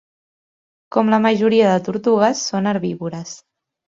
Com la majoria de tortugues, són herbívores.